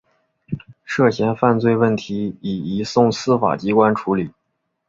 涉嫌犯罪问题已移送司法机关处理。